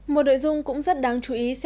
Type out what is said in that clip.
một đổi dung cũng rất đáng chú ý